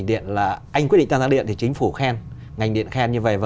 điện là một sản phẩm đồ vào